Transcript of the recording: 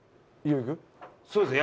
そうですね。